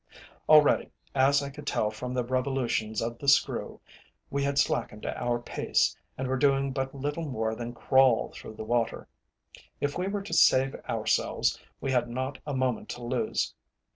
Already, as I could tell from the revolutions of the screw, we had slackened our pace, and were doing but little more than crawl through the water. If we were to save ourselves we had not a moment to lose.